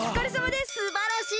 すばらしい！